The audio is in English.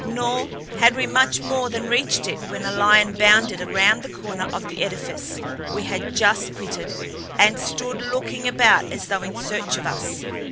Nor had we much more than reached it when a lion bounded around the corner of the edifice we had just quitted and stood looking about as though in search of us.